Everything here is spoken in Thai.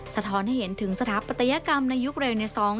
สะท้อนให้เห็นถึงสถาปัตยกรรมในยุคเร็วใน๒๐